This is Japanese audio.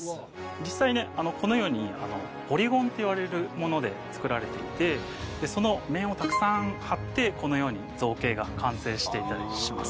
実際ねこのようにポリゴンっていわれるもので作られていてその面をたくさん張ってこのように造形が完成します。